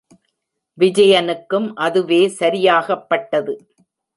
விஜயனுக்கும் அதுவே சரியாகப்பட்டது.